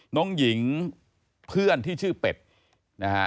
น้องหญิงเพื่อนที่ชื่อเป็ดนะฮะ